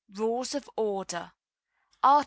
Rules of Order. Art.